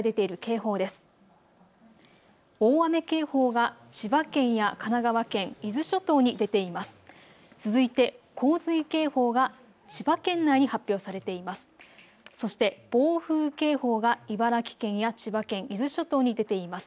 続いて洪水警報が千葉県内に発表されています。